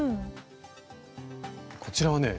こちらはね